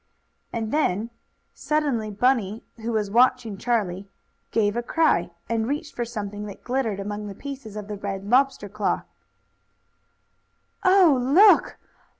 And then suddenly Bunny, who was watching Charlie, gave a cry, and reached for something that glittered among the pieces of the red lobster claw. "Oh, look!